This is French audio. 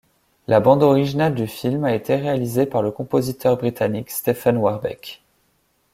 La bande originale du film a été réalisée par le compositeur britannique Stephen Warbeck.